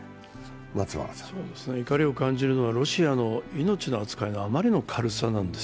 怒りを感じるのはロシアの命の扱いのあまりの軽さです。